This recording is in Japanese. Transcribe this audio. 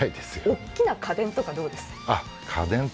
大きな家電とかどうですか？